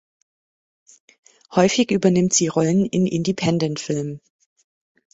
Häufig übernimmt sie Rollen in Independentfilmen.